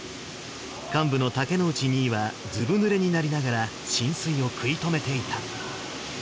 幹部の竹之内２尉は、ずぶぬれになりながら浸水を食い止めていた。